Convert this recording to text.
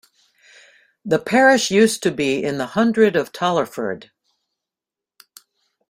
The parish used to be in the hundred of Tollerford.